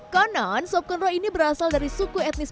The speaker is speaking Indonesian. konon sobkondro ini berasal dari suku etnis